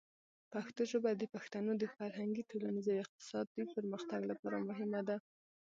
پښتو ژبه د پښتنو د فرهنګي، ټولنیز او اقتصادي پرمختګ لپاره مهمه ده.